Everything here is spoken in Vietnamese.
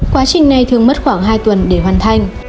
quá trình này thường mất khoảng hai tuần để hoàn thành